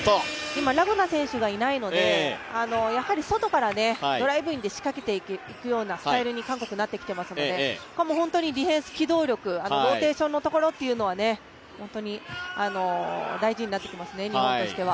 今、ラ・ゴナ選手がいないので、やはり外からドライブインで仕掛けていくようなスタイルに韓国はなってきていますのでディフェンス、機動力、ローテーションのところは本当に大事になってきますね、日本としては。